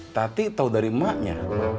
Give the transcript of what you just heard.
tati tau dari emaknya